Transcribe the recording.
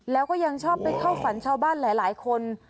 แล้วก็ยังชอบไปเข้าฝันชาวบ้านหลายคน